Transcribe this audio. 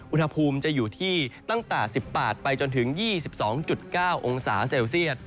อุณหภูมิจะอยู่ที่ตั้งแต่๑๘ไปจนถึง๒๒๙องศาเซลเซียต